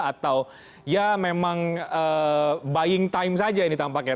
atau ya memang buying time saja ini tampaknya